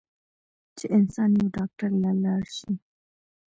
چې انسان يو ډاکټر له لاړشي